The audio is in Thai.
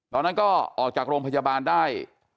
ตอนนั้นก็ออกจากโรงพยาบาลได้